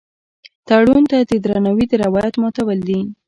تړون ته د درناوي د روایت ماتول دي.